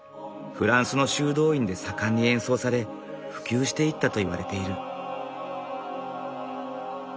フランスの修道院で盛んに演奏され普及していったといわれている。